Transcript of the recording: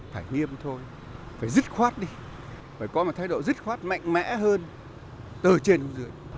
phải nghiêm thôi phải dứt khoát đi phải có một thái độ dứt khoát mạnh mẽ hơn từ trên dưới